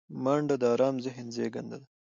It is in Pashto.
منډه د آرام ذهن زیږنده ده